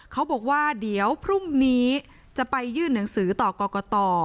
เขาบอกว่าเดี๋ยวพรุ่งนี้จะไปยื่นหนังสือต่อกรกต